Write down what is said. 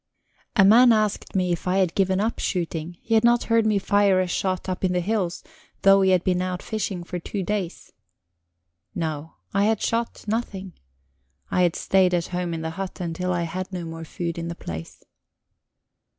VI A man asked me if I had given up shooting; he had not heard me fire a shot up in the hills, though he had been out fishing for two days. No, I had shot nothing; I had stayed at home in the hut until I had no more food in the place.